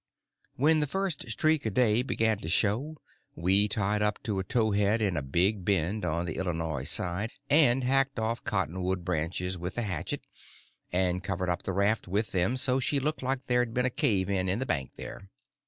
When the first streak of day began to show we tied up to a towhead in a big bend on the Illinois side, and hacked off cottonwood branches with the hatchet, and covered up the raft with them so she looked like there had been a cave in in the bank there.